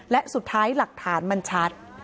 และสุดท้ายหลักฐานมันชัด